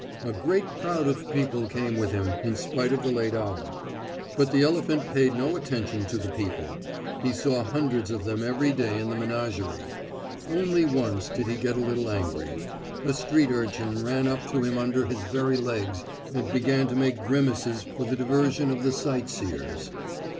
A great crowd of people came with him, in spite of the late hour. But the elephant paid no attention to the people; he saw hundreds of them every day in the menagerie. Only once did he get a little angry. A street urchin ran up to him under his very legs, and began to make grimaces for the diversion of the sight seers.